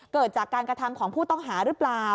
เกิดจากการกระทำของผู้ต้องหาหรือเปล่า